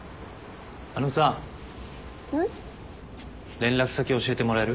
連絡先教えてもらえる？